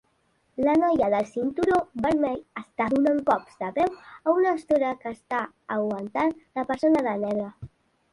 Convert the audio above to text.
La noia del cinturó vermell està donant cops de peu a una estora que està aguantant la persona de negre.